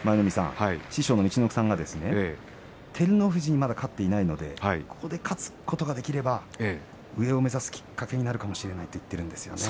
師匠の陸奥さんが照ノ富士にまだ勝っていないのでここで勝つことができれば上を目指すきっかけになるかもしれないと言っているんですよね。